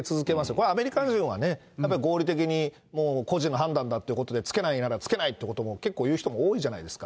これ、アメリカ人はね、合理的にもう個人の判断だっていうことで、着けないなら着けないってことを結構言う人も多いじゃないですか。